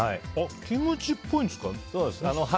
キムチっぽいんですか？